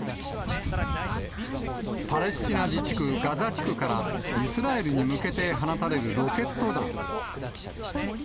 パレスチナ自治区ガザ地区からイスラエルに向けて放たれるロケット弾。